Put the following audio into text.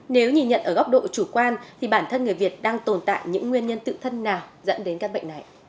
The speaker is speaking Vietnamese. nếu nhìn nhận ở góc độ chủ quan thì bản thân người việt đang tồn tại những nguyên nhân tự thân nào dẫn đến các bệnh này